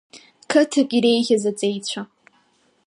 Қыҭак иреиӷьыз аҵеицәа…